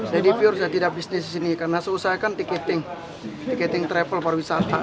jadi saya tidak bisnis di sini karena saya kan tiketing tiketing travel parwisata